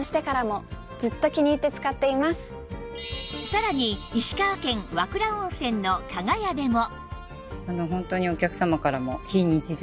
さらに石川県和倉温泉の加賀屋でも